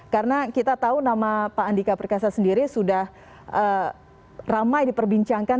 karena kita tahu nama pak andika perkasa sendiri sudah ramai diperbincangkan